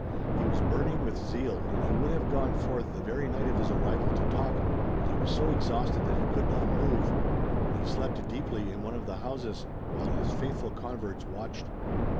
He was burning with zeal and he would have gone forth the very night of his arrival to talk, but he was so exhausted that he could not move, and he slept deeply in one of the houses, while his faithful converts watched.